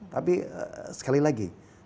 tapi sekali lagi